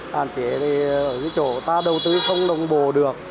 hàn kế thì ở chỗ ta đầu tư không đồng bồ được